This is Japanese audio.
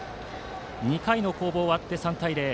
２回の攻防が終わって３対０。